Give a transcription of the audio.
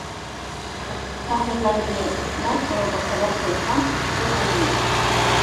تەھرىرلەنگىنى: مەن ئۇنىڭغا تەلەپ قويسام، ئۇ ئۇنىمىدى.